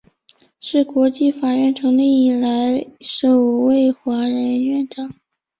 是国际法院成立以来首位华人院长。